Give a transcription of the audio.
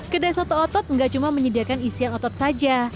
kedai soto otot enggak cuma menyediakan isian otot saja